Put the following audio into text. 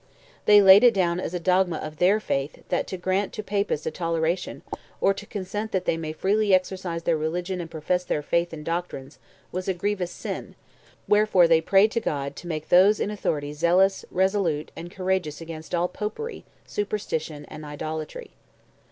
They laid it down as a dogma of their faith that "to grant Papists a toleration, or to consent that they may freely exercise their religion and profess their faith and doctrines, was a grievous sin;" wherefore they prayed God "to make those in authority zealous, resolute, and courageous against all Popery, superstition, and idolatry."